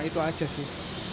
itu aja sih